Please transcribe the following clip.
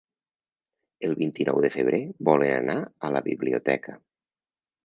El vint-i-nou de febrer volen anar a la biblioteca.